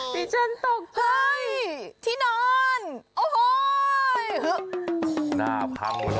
ที่นอนโอ้โฮหน้าพังแล้วมั้ง